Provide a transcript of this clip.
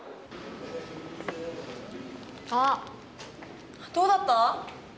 あっどうだった？